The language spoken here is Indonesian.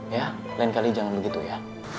ya lain kali jangan begitu ya